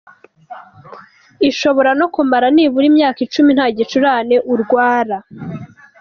Ishobora no kumara nibura imyaka icumi nta n’igicurane urarwara.